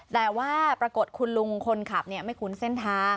แต่ว่าปรากฏคุณลุงคนขับไม่คุ้นเส้นทาง